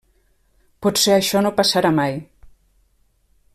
Potser això no passarà mai.